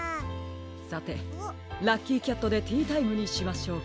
さてラッキーキャットでティータイムにしましょうか。